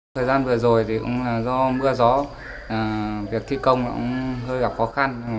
thời gian vừa rồi thì cũng là do mưa gió việc thi công cũng hơi gặp khó khăn